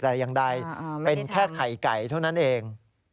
แต่อย่างใดเป็นแค่ไข่ไก่เท่านั้นเอง